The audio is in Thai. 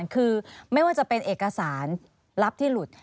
คือไม่ว่าจะเป็นเอกสารลับที่หลุด